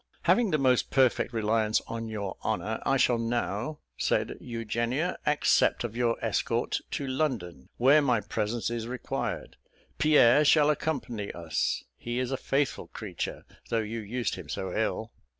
"Having the most perfect reliance on your honour, I shall now," said Eugenia, "accept of your escort to London, where my presence is required. Pierre shall accompany us he is a faithful creature, though you used him so ill."